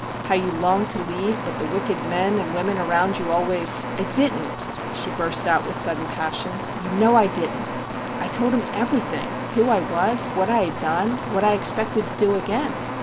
How you longed to leave, but the wicked men and women around you always J * I didn't !' she burst out, with sudden pas sion ;' you know I didn't. I told him every thing : who I was what I had done what I expected to do again.